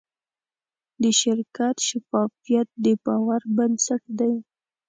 د شرکت شفافیت د باور بنسټ دی.